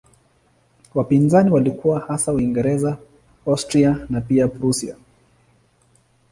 Wapinzani walikuwa hasa Uingereza, Austria na pia Prussia.